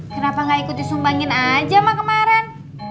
kenapa gak ikut disumbangin aja mah kemarin